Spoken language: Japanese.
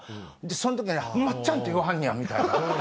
そん時に「松っちゃん」って言わはんねやみたいな。